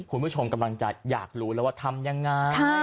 คุณผู้ชมกำลังจะอยากรู้แล้วว่าทำยังไง